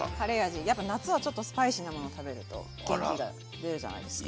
やっぱ夏はちょっとスパイシーなものを食べると元気が出るじゃないですか。